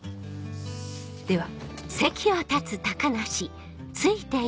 では。